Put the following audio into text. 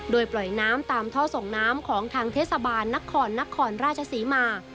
โดยปล่อยน้ำตามท่อส่งน้ำของทางเทศบาลนครนครราชศรีมา